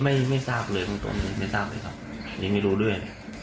ไม่ไม่ทราบเลยเบื้องต้นไม่ทราบเลยครับยังไม่รู้ด้วย